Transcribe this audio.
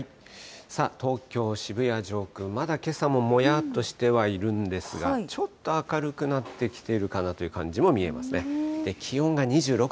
さあ、東京・渋谷上空、まだけさももやっとしてはいるんですが、ちょっと明るくなってきているかなという感じも見えますね。